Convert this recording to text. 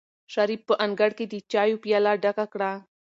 شریف په انګړ کې د چایو پیاله ډکه کړه.